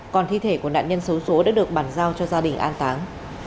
còn thi thể của nạn nhân số số đã được bản giao cho gia đình an táng